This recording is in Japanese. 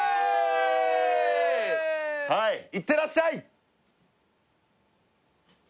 はいいってらっしゃい！